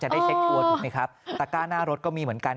ได้เช็คทัวร์ถูกไหมครับตะก้าหน้ารถก็มีเหมือนกัน